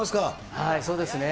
はい、そうですね。